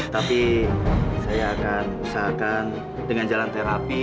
tapi saya akan usahakan dengan jalan terapi